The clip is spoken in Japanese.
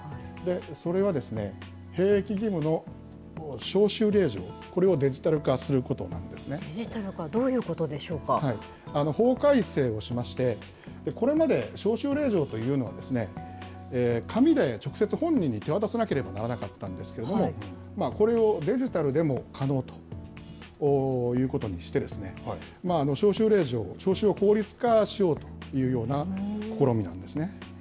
それが兵役義務の招集令状、これデジタル化、どういうことで法改正をしまして、これまで招集令状というのは、紙で直接本人に手渡さなければならなかったんですけれども、これをデジタルでも可能ということにして、招集令状、招集を法律化しようというふうな試みなんですね。